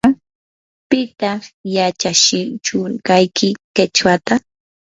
¿pitaq yachatsishurqayki qichwata?